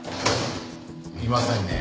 いませんね。